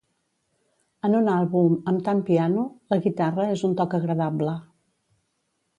En un àlbum amb tant piano, la guitarra és un toc agradable.